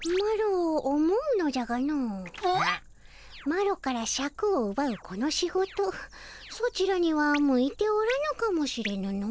マロからシャクをうばうこの仕事ソチらには向いておらぬかもしれぬの。